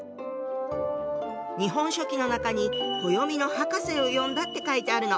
「日本書紀」の中に「暦の博士を呼んだ」って書いてあるの。